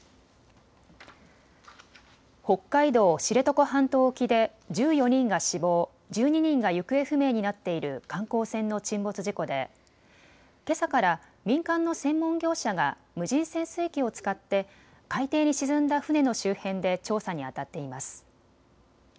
北海道、知床半島沖で１４人が死亡、１２人が行方不明になっている観光船の沈没事故でけさから民間の専門業者が無人潜水機を使って海底に沈んだ船の周辺で調査にあたっています。